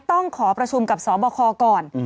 ต้องขอประชุมกับสบคก่อน